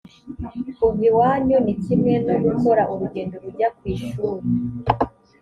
kuva iwanyu ni kimwe no gukora urugendo rujya ku ishuri